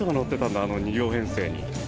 あの２両編成に。